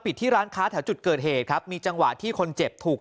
ที่ร้านค้าแถวจุดเกิดเหตุครับมีจังหวะที่คนเจ็บถูก